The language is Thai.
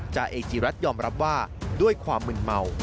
จ่าเอกจีรัฐยอมรับว่าด้วยความมึนเมา